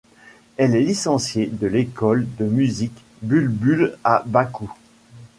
Elle est licenciée de l’école de musique Bul-Bul à Bakou.